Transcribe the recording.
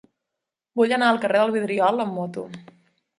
Vull anar al carrer del Vidriol amb moto.